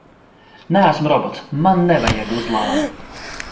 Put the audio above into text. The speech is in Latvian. Neesmu robots, man nevajag uzlādi!